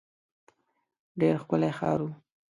ډېر ښکلی ښار وو.